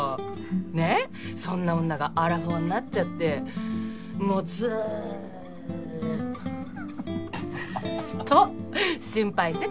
ねえそんな女がアラフォーになっちゃってもうずっと心配してたんですよ。